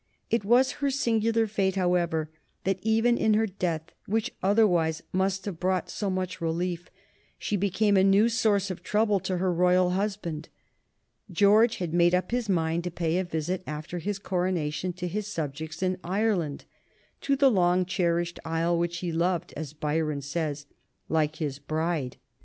It was her singular fate, however, that even in her death, which otherwise must have brought so much relief, she became a new source of trouble to her royal husband. George had made up his mind to pay a visit after his coronation to his subjects in Ireland, to "the long cherished isle which he loved," as Byron says, "like his bride."